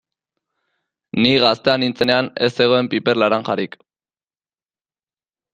Ni gaztea nintzenean ez zegoen piper laranjarik.